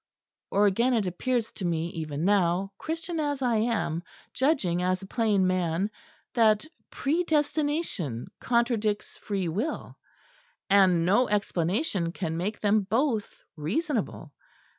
Or again, it appears to me even now, Christian as I am, judging as a plain man, that predestination contradicts free will; and no explanation can make them both reasonable.